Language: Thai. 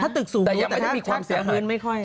แต่ยังไม่ใช่มีความเสียหาย